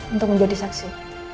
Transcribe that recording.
untuk menjadi saksi